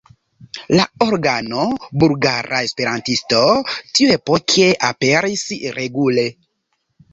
La organo "Bulgara Esperantisto" tiuepoke aperis regule.